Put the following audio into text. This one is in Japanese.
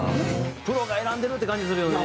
プロが選んでるって感じするよね。